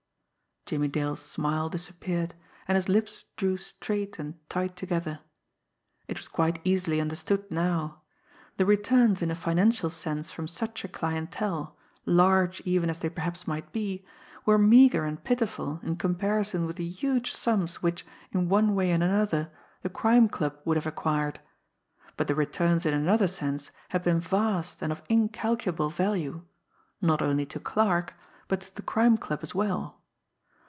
Jimmie Dale's smile disappeared, and his lips drew straight and tight together. It was quite easily understood now. The returns in a financial sense from such a clientele, large even as they perhaps might be, were meagre and pitiful in comparison with the huge sums which, in one way and another, the Crime Club would have acquired; but the returns in another sense had been vast and of incalculable value, not only to Clarke, but to the Crime Club as well.